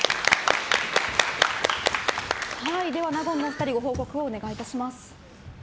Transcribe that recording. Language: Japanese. では納言の２人ご報告をお願いします。